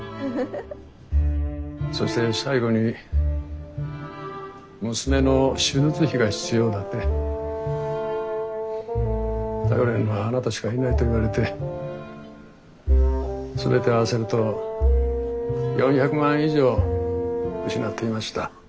そして最後に娘の手術費が必要だって頼れるのはあなたしかいないと言われて全て合わせると４００万以上失っていました。